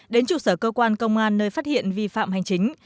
đến trụ sở cơ quan công an nơi phát hiện vi phạm hành chính